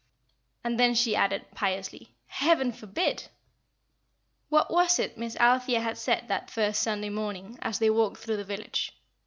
and then she added, piously, "Heaven forbid!" What was it Miss Althea had said that first Sunday morning, as they walked through the village?